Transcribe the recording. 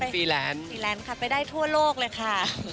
เป็นฟรีแลนด์ค่ะไปได้ทั่วโลกเลยค่ะ